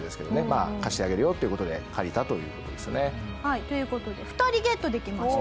まあ貸してあげるよっていう事で借りたという事ですね。という事で２人ゲットできました。